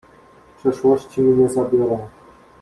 "Przeszłości mi nie zabiorą."